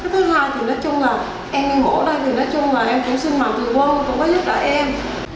thứ hai thì nói chung là em đi mổ đây thì nói chung là em cũng sinh mạng từ quân cũng có giúp đỡ em